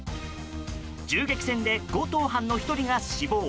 銃撃戦で強盗犯の１人が死亡。